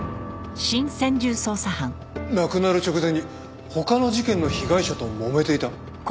亡くなる直前に他の事件の被害者ともめていた？